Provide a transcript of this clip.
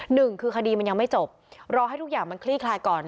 หนึ่งคือคดีมันยังไม่จบรอให้ทุกอย่างมันคลี่คลายก่อน